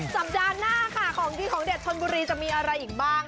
สัปดาห์หน้าค่ะของดีของเด็ดชนบุรีจะมีอะไรอีกบ้าง